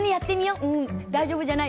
ううん大丈夫じゃない。